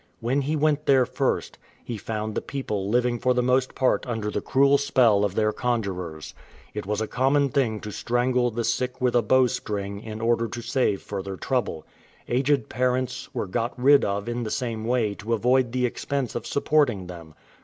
When he went there first, he found the people living for the most part under the cruel spell of their conjurers. It was a common thing to strangle the sick with a bowstring in order to save further trouble. Aged parents were got rid of in the same way to avoid the expense of supporting them.